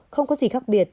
không có gì khác biệt